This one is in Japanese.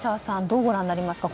どうご覧になりますか？